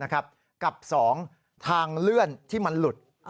กับ๒ทางเลื่อนที่มันหลุด